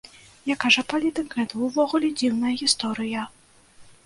Як кажа палітык, гэта ўвогуле дзіўная гісторыя.